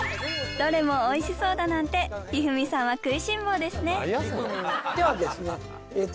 「どれもおいしそう」だなんて一二三さんはではですねえと